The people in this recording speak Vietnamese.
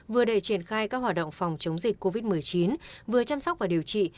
vừa để triển khai các hoạt động phòng chống dịch covid một mươi chín vừa chăm sóc và điều trị